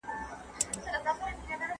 انا په ډېر احتیاط سره قدم واخیست.